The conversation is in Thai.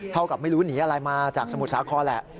กับไม่รู้หนีอะไรมาจากสมุทรสาครแหละ